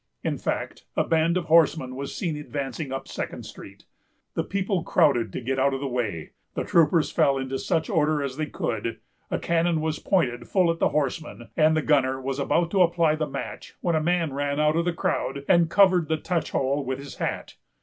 In fact, a band of horsemen was seen advancing up Second Street. The people crowded to get out of the way; the troops fell into such order as they could; a cannon was pointed full at the horsemen, and the gunner was about to apply the match, when a man ran out from the crowd, and covered the touch hole with his hat.